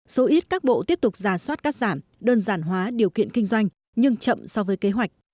số ít các bộ tiếp tục giả soát cắt giảm đơn giản hóa điều kiện kinh doanh nhưng chậm so với kế hoạch